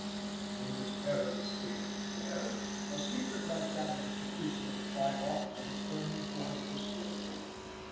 In this perilous state of affairs, a secret like that of the petition of the five officers burned towards disclosure.